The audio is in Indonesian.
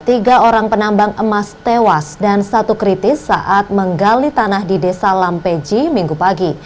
tiga orang penambang emas tewas dan satu kritis saat menggali tanah di desa lampeji minggu pagi